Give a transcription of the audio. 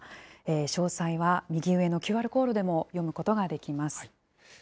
詳細は右上のＱＲコードでも読むことができます。